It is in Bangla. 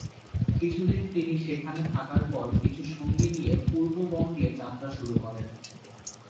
কিছুদিন তিনি সেখানে থাকার পর কিছু সঙ্গী নিয়ে পূর্ব বঙ্গে যাত্রা শুরু করেন।